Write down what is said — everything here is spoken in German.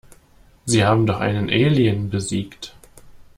Sie haben doch einen Alien besiegt.